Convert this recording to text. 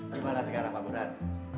gimana sekarang pak burhan